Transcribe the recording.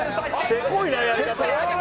「せこいなやり方」